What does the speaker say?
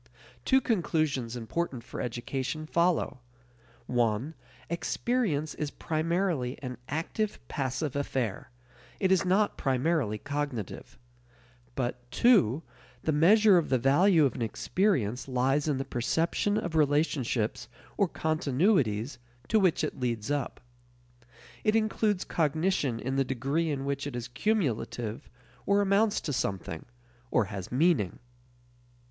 Two conclusions important for education follow. (1) Experience is primarily an active passive affair; it is not primarily cognitive. But (2) the measure of the value of an experience lies in the perception of relationships or continuities to which it leads up. It includes cognition in the degree in which it is cumulative or amounts to something, or has meaning.